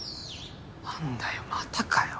なんだよまたかよ。